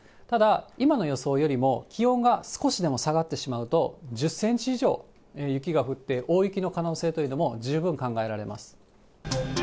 ただ、今の予想よりも気温が少しでも下がってしまうと、１０センチ以上雪が降って、大雪の可能性というのも十分考えられます。